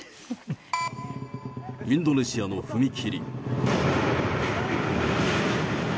インドネシアの踏切。